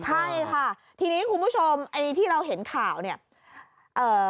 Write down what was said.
ใช่ค่ะทีนี้คุณผู้ชมที่เราเห็นข่าวนี่